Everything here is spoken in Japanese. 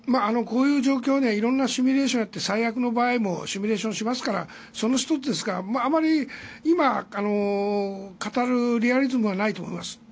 こういう状況では色んなシミュレーションをやって最悪の場合もシミュレーションしますからその１つですからあまり今、語るリアリズムはないと思います。